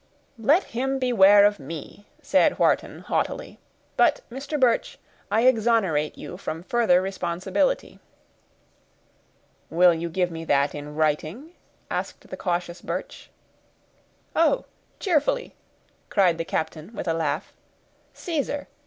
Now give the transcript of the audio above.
"Let him beware of me," said Wharton, haughtily. "But, Mr. Birch, I exonerate you from further responsibility." "Will you give me that in writing?" asked the cautious Birch. "Oh! cheerfully," cried the captain, with a laugh. "Caesar!